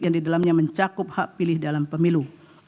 yang didalamnya mencakup hak pilih dalam pemilu